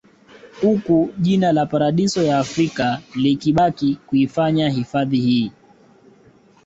Uku jina la paradiso ya Afrika likibaki kuifanya hifadhi hii